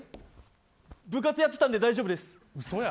部活やってたんで大丈夫です。